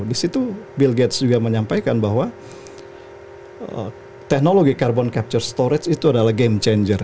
di situ bill gates juga menyampaikan bahwa teknologi carbon capture storage itu adalah game changer